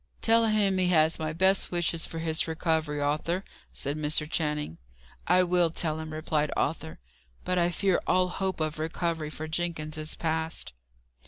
"Tell him he has my best wishes for his recovery, Arthur," said Mr. Channing. "I will tell him," replied Arthur. "But I fear all hope of recovery for Jenkins is past."